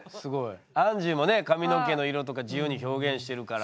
アンジーもね髪の毛の色とか自由に表現してるから。